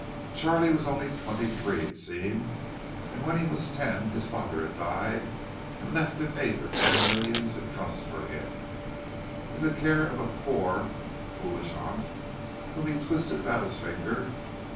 Charlie was only twenty three, it seemed; and when he was ten his father had died and left eight or ten millions in trust for him, in the care of a poor, foolish aunt whom he twisted about his finger.